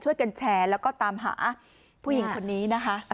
ช่วยกันแชร์แล้วก็ตามหาผู้หญิงคนนี้นะคะ